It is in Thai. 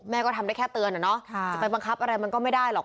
ก็ทำได้แค่เตือนอะเนาะจะไปบังคับอะไรมันก็ไม่ได้หรอก